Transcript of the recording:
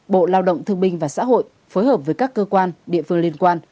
bộ lao động thương binh và xã hội phối hợp với các cơ quan địa phương liên quan